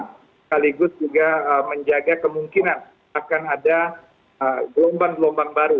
sekaligus juga menjaga kemungkinan akan ada gelombang gelombang baru